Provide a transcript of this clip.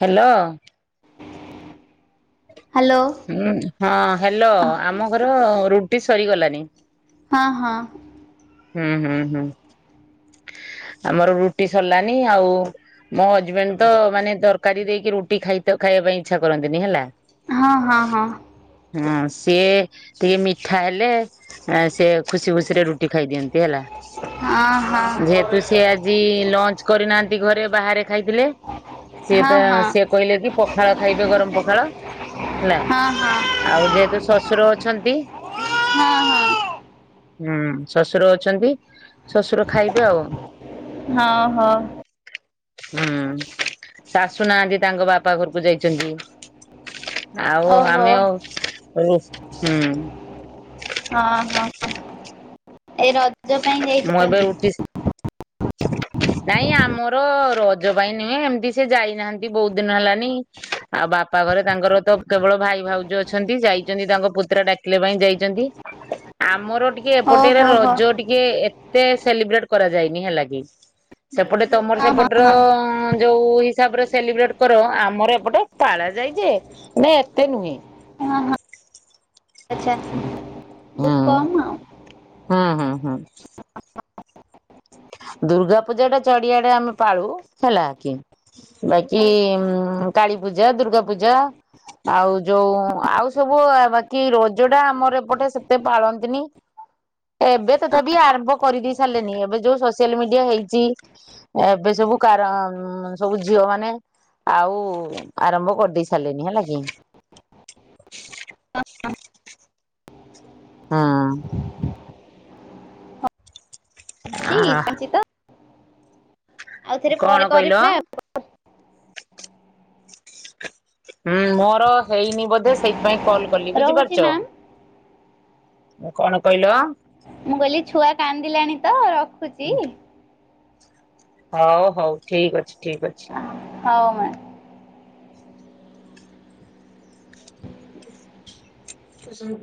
Hello. Hello ହଁ hello ହଁ ଆମ ଘର ରୁଟି ସରିଗଲାଣି। ହଁ ହଁ। ହୁଁ ହୁଁ ହୁଁ ଆମର ରୁଟି ସରିଲାନି ଆଉ ମୋ ହଜବେଣ୍ଡ ତ ମାନେ ତରକାରୀ ଦେଇକି ରୁଟି ଖାଇ ଖାଇବା ପାଇଁ ଇଚ୍ଛା କରନ୍ତିନି ହେଲା। ହଁ ହଁ ହଁ। ହଁ ସିଏ ଟିକେ ମିଠା ହେଲେ ସି ଖୁସି ଖୁସିରେ ରୁଟି ଖାଇଦିଅନ୍ତି। କେ ହେଲା। ହଁ ହଁ ହଁ ଯେହେତୁ ସି ଆଜି ଲଞ୍ଚ କରିନାହାନ୍ତି ଘରେ ବାହାରେ ଖାଇଥିଲେ ସିଏ ହଁ ତ ହଁ ସିଏ କହିଲେ କି ପଖାଳ ଖାଇବେ ଗରମ ପଖାଳ। ହେଲା ହଁ ଆଉ ଯେହେତୁ ଶସୁର ଅଛନ୍ତି ହଁ ହୁଁ ଶ୍ୱଶୁର ଅଛନ୍ତି ଶ୍ୱଶୁର ଖାଇବେ ଆଉ। ହଁ ହଁ। ହୁଁ ଶାଶୁ ନାହାନ୍ତି ତାଙ୍କ ବାପା ଘରକୁ ଯାଇଚନ୍ତି। ଆଉ ଓହୋ ଆମେ ଆଉ‌ ରୋଷ୍ ହୁଁ। ଏ ରଜ ପାଇଁ ମୁଁ ଏବେ ଯାଇଛନ୍ତି? ରୁଟି ନାଇଁ ଆମୋର ରଜ ପାଇଁ ନୁହେଁ ଏମତି ସେ ଯାଇନାହାନ୍ତି ବହୁତ ଦିନ ହେଲାନି। ଆ ବାପା ଘରେ ତାଙ୍କର ତ କେବଳ ଭାଇ ଭାଉଜ ଅଛନ୍ତି ଯାଇଚନ୍ତି ତାଙ୍କ ପୁତ୍ରା ଡାକିଲେ ପାଇଁ ଯାଇଚନ୍ତି। ଆମୋର ଟିକେ ଏପଟେ ର ଓହୋ ହୋ ରଜ ଟିକେ ଏତେ ସେଲିବ୍ରେଟ କରାଯାଇନି ହେଲା କି। ସେପଟେ ତମର ହଁ ସେପଟ ହଁ ର ହଁ ଯୋଉ ହିସାବରେ ସେଲିବ୍ରେଟ କର ଆମର ପଟେ ପାଳା ଯାଇ ଯେ ନା ଏତେ ନୁହେଁ। ଅଁ ହଁ ଆଚ୍ଛା ବହୁତ ହୁଁ। କମ୍ ଆଉ। ହୁଁ ହୁଁ ହୁଁ। ଦୁର୍ଗା ପୂଜା ଟା ଚାଡିଆଡେ ଆମେ ପାଳୁ ହେଲା କି ବାକି କାଳୀ ପୂଜା ଦୁର୍ଗା ପୂଜା। ଆଉ ଯୋଉ ଆଉ ସବୁ ବାକି ରଜ ଟା ଆମର ଏପଟେ ସେତେ ପାଳନ୍ତିନି। ଏବେ ତଥାପି ଆରମ୍ଭ କରିଦେଇ ସାରିଲେନି ଏବେ ଯୋଉ ସୋସିଆଲ ମିଡିଆ ହେଇଚି। ଏବେ ସବୁ କାରା କମ୍ ସବୁ ଝିଅ ମାନେ ଆଉ ଆରମ୍ଭ କରିଦେଇ ସାରିଲେନି ହେଲା କି। ହଁ। ହଁ। ଆ [unintelligible] ତ ଆଉଥରେ ପରେ କଣ କହିଲ? କରିବା ହୁଁ ମୋର ହେଇନି ବୋଧେ ସେଇଥିପାଇଁ। କଲ କଲି ରହୁଛି ବୁଝିପାରୁଚ। ମ୍ୟାମ୍ କଣ କହିଲ? ମୁଁ କହିଲି ଛୁଆ କାନ୍ଦିଲାଣି ତ ରଖୁଚି। ହଉ ହଉ ଠିକ ଅଛି। ଠିକ୍ ଅଛି। ହଉ ମା। [unintelligible]